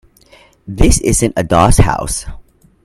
This isn't a doss house.